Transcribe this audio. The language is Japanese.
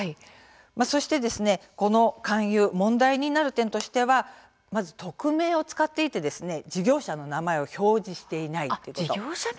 そして、この勧誘問題になる点としては匿名を使っていて事業者の名前を表示していない。